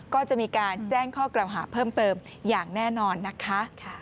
ก็จะมีการแจ้งข้อกล่าวหาเพิ่มเติมอย่างแน่นอนนะคะ